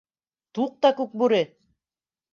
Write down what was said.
Туҡта, Күкбүре!